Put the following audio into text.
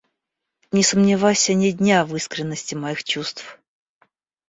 Не сомневайся ни дня в искренности моих чувств.